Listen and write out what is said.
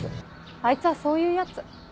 あいつはそういう奴。